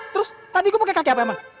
terus tadi gue pake kaki apa emang